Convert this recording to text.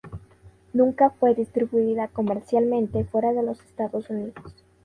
Nunca fue distribuida comercialmente fuera de los Estados Unidos.